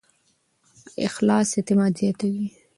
اخلاص اعتماد زیاتوي.